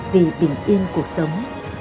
vì bình yên cuộc sống